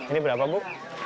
ini berapa bu